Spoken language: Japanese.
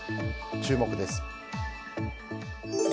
注目です。